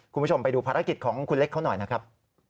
คุณผู้ชมไปดูภารกิจของคุณเล็กเขาหน่อยนะครับ